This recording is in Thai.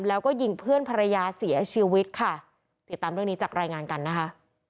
แล้วก็ยิงเพื่อนภรรยาเสียชีวิตค่ะติดตามเรื่องนี้จากรายงานกันนะคะ